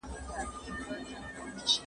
ټولنپوهنه تر ارواپوهنې پراخه ده.